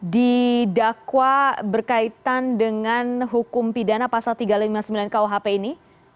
didakwa berkaitan dengan hukum pidana pasal tiga ratus lima puluh sembilan kuhp ini